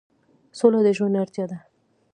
سوله د ژوند اړتیا ده